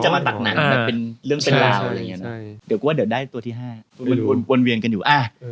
มันวนเวียนกันอยู่